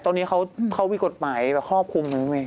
ตอนนี้เขาวิกฎหมายข้อภูมินึงไหม